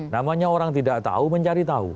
namanya orang tidak tahu mencari tahu